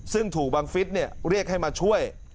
ซึ่งถูกบังฟิศเรียกให้มาช่วย